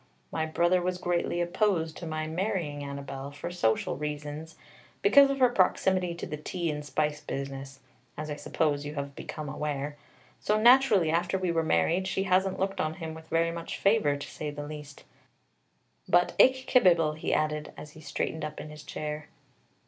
"My brother was greatly opposed to my marrying Annabelle, for social reasons, because of her proximity to the tea and spice business, as I suppose you have become aware, so naturally after we were married she hasn't looked on him with very much favor, to say the least. But ich kebibble," he added, as he straightened up in his chair.